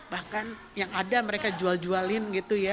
bahkan yang ada mereka jual jualin gitu ya